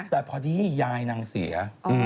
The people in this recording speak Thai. แต่พอดียายนางเสีย